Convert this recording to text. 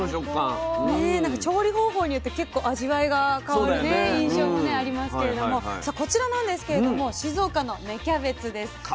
なんか調理方法によって結構味わいが変わる印象もありますけれどもさあこちらなんですけれども静岡の芽キャベツです。